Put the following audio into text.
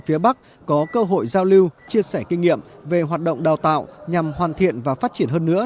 phía bắc có cơ hội giao lưu chia sẻ kinh nghiệm về hoạt động đào tạo nhằm hoàn thiện và phát triển hơn nữa